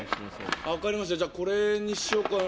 分かりましたじゃあこれにしようかな。